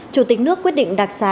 chủ tịch nước quyết định đặc sá